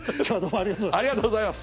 ありがとうございます。